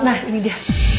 nah ini dia